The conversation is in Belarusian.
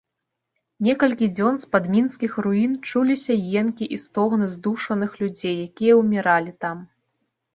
Некалькі дзён з-пад мінскіх руін чуліся енкі і стогны здушаных людзей, якія ўміралі там.